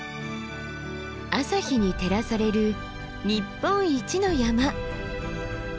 朝日に照らされる日本一の山。